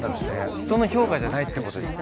人の評価じゃないってことじゃん。